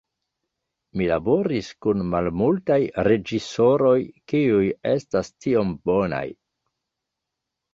Mi laboris kun malmultaj reĝisoroj kiuj estas tiom bonaj".